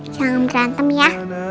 jangan berantem ya